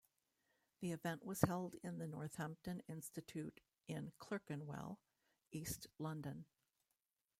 The event was held in the Northampton Institute in Clerkenwell, East London.